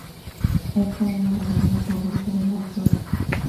Esta era la novela favorita de la autora.